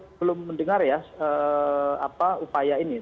saya belum mendengar ya apa upaya ini